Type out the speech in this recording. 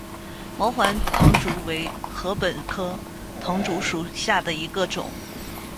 毛环唐竹为禾本科唐竹属下的一个种。